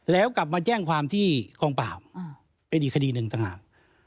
แล้วกลับมาแจ้งความที่กองปราบเป็นอีกคดีหนึ่งต่างหาก